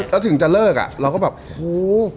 แล้วถึงจะเลิกอ่ะเราก็แบบหู